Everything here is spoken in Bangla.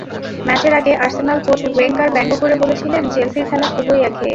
ম্যাচের আগে আর্সেনাল কোচ ওয়েঙ্গার ব্যঙ্গ করে বলেছিলেন, চেলসির খেলা খুবই একঘেয়ে।